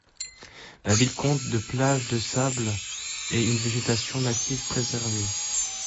La ville compte de plage de sable et une végétation native préservée.